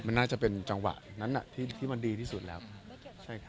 แถวนี้แหละ